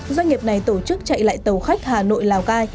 doanh nghiệp này tổ chức chạy lại tàu khách hà nội lào cai